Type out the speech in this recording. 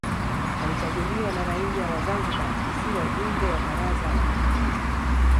Alichaguliwa na raia wa Zanzibar si wajumbe wa Baraza la Mapinduzi